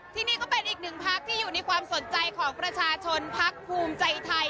ที่นี่ก็เป็นอีกหนึ่งพักที่อยู่ในความสนใจของประชาชนพักภูมิใจไทย